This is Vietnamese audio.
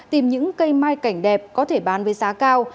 tìm những cây mai cảnh đẹp có thể bán với giá cao